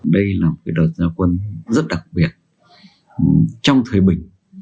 đây là một đợt gia quân rất đặc biệt trong thời bình